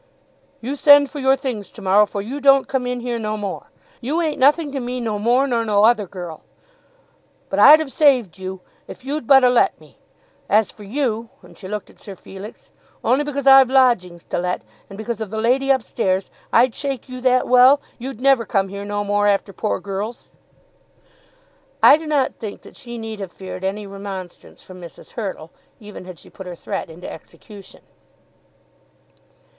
"You send for your things to morrow, for you don't come in here no more. You ain't nothing to me no more nor no other girl. But I'd 've saved you, if you'd but a' let me. As for you," and she looked at Sir Felix, "only because I've lodgings to let, and because of the lady upstairs, I'd shake you that well, you'd never come here no more after poor girls." I do not think that she need have feared any remonstrance from Mrs. Hurtle, even had she put her threat into execution.